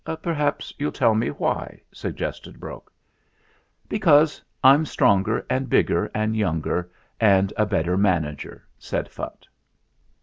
"Perhaps you'll tell me why," suggested Brok. "Because I'm stronger and bigger and younger and a better manager," said Phutt.